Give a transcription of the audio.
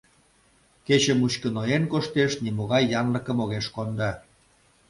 Кече мучко ноен коштеш, нимогай янлыкым огеш кондо.